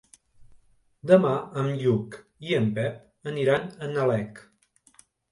Demà en Lluc i en Pep aniran a Nalec.